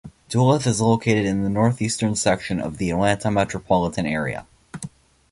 Duluth is located in the northeastern section of the Atlanta metropolitan area.